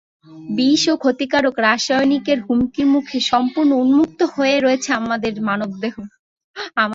বিষ ও ক্ষতিকারক রাসায়নিকের হুমকির মুখে সম্পূর্ণ উন্মুক্ত হয়ে রয়েছে মানবদেহ।